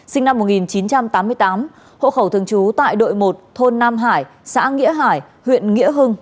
sinh năm một nghìn chín trăm tám mươi tám hộ khẩu thường trú tại đội một thôn nam hải xã nghĩa hải huyện nghĩa hưng